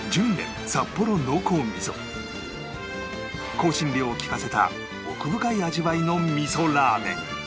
香辛料をきかせた奥深い味わいの味噌ラーメン